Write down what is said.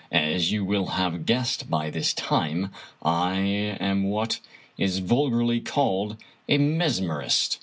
As you will have guessed by this time, I am what is vul garly called *a mesmerist.'